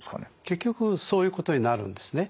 結局そういうことになるんですね。